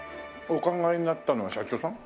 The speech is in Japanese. お考えになったのは社長さん？